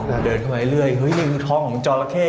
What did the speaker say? เดินไหวเรื่อยนี่คือท้องของจอระเข้